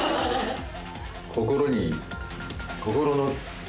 心に心の壁。